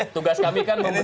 tugas kami kan memberikan